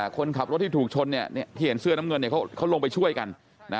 คนขับรถที่ถูกชนที่เห็นเสื้อน้ำเงินเขาลงไปช่วยกัน